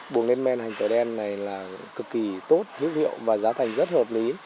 buồng lên men hành tỏi đen này là cực kỳ tốt hữu hiệu và giá thành rất hợp lý